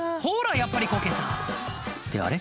やっぱりこけたってあれ？